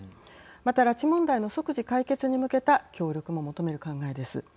また拉致問題の即時解決に向けた協力も求める考えです。